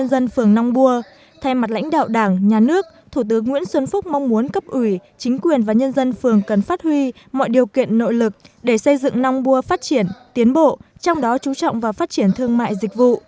thay mặt lãnh đạo đảng nhà nước thủ tướng nguyễn xuân phúc mong muốn cấp ủy chính quyền và nhân dân phường cần phát huy mọi điều kiện nội lực để xây dựng nong bua phát triển tiến bộ trong đó chú trọng vào phát triển thương mại dịch vụ